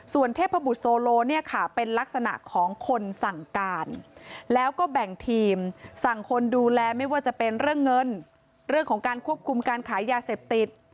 ส่วนเทพบุตรโซโลเนี่ยค่ะเป็นลักษณะของคนสั่งการแล้วก็แบ่งทีมสั่งคนดูแลไม่ว่าจะเป็นเรื่องเงินเรื่องของการควบคุมการขายยาเสพติด